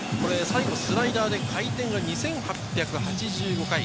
スライダーで回転が２８８５回。